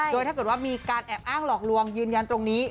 โดยถ้าเกิดว่ามีการแอบอ้างหลอกลวงยืนยันตรงนี้